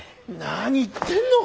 何言ってんの。